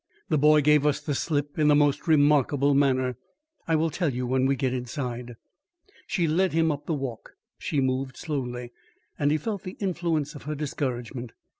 The boy gave us the slip in the most remarkable manner. I will tell you when we get inside." She led him up the walk. She moved slowly, and he felt the influence of her discouragement.